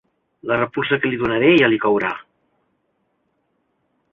La repulsa que li donaré ja li courà.